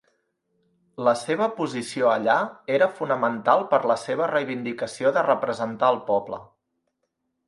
La seva posició allà era fonamental per a la seva reivindicació de representar el poble.